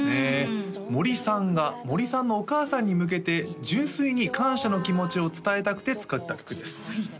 森さんが森さんのお母さんに向けて純粋に感謝の気持ちを伝えたくて作った曲です